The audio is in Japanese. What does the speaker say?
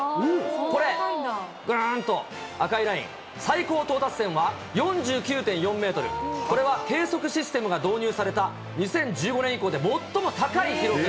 これ、ぐーんと赤いライン、最高到達点は４９．４メートル、これは計測システムが導入された２０１５年以降で最も高い記録。